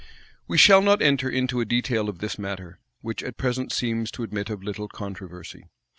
[*] We shall not enter into a detail of this matter, which at present seems to admit of little controversy.